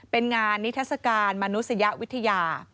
เป็นงานนิทัศกาลมนุษยวิทยา